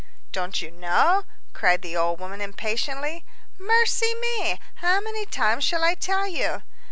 "Don't you know?" cried the old woman, impatiently. "Mercy me! how many times shall I tell you?